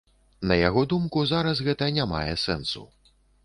На яго думку, зараз гэта не мае сэнсу.